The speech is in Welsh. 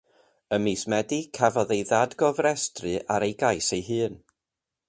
Ym mis Medi, cafodd ei ddadgofrestru ar ei gais ei hun.